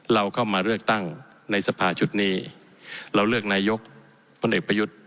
เราเข้ามาเลือกตั้งในสภาชุดนี้เราเลือกนายกพลเอกประยุทธ์